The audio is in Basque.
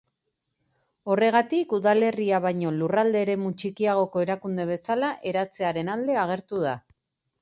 Horregatik, udalerria baino lurralde-eremu txikiagoko erakunde bezala eratzearen alde agertu da.